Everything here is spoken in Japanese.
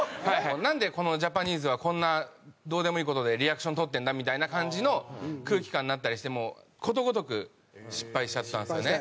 なんでこのジャパニーズはこんなどうでもいい事でリアクション取ってんだみたいな感じの空気感になったりしてもうことごとく失敗しちゃったんですよね。